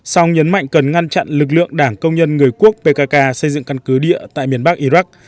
song nhấn mạnh cần ngăn chặn lực lượng đảng công nhân người quốc pkk xây dựng căn cứ địa tại miền bắc iraq